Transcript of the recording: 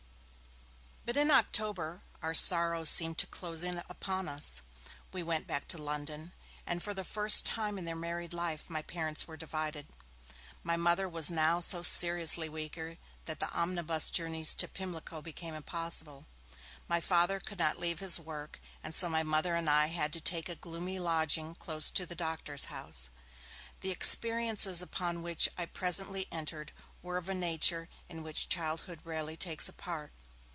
But in October, our sorrows seemed to close in upon us. We went back to London, and for the first time in their married life, my parents were divided. My Mother was now so seriously weaker that the omnibus journeys to Pimlico became impossible. My Father could not leave his work and so my Mother and I had to take a gloomy lodging close to the doctor's house. The experiences upon which I presently entered were of a nature in which childhood rarely takes a part.